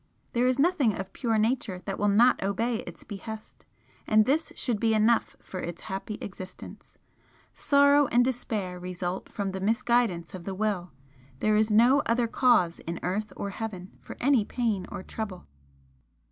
There is nothing of pure Nature that will not obey its behest, and this should be enough for its happy existence. Sorrow and despair result from the misguidance of the Will there is no other cause in earth or heaven for any pain or trouble."